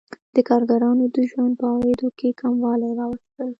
د کارګرانو د ژوند په عوایدو کې کموالی راوستل